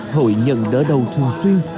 hội nhận đỡ đầu thường xuyên